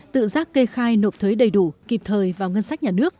tự giác kê khai nộp thuế đầy đủ kịp thời vào ngân sách nhà nước